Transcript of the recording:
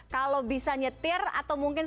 kalau bisa nyetir atau mungkin